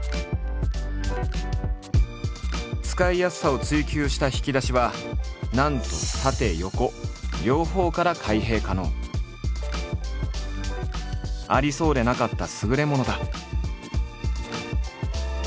使いやすさを追求した引き出しはなんとありそうでなかった優れものだ。